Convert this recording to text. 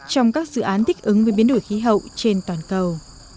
trong các dự án thích ứng với biến đổi khí hậu trên toàn cầu